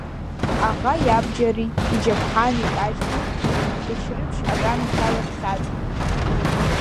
Аӷа иабџьари иџьаԥҳани кажьны Гьачрыԥшь аганахьала дхьаҵит.